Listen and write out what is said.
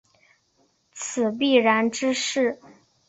此必然之势。